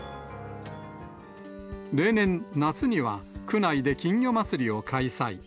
例年、夏には区内で金魚まつりを開催。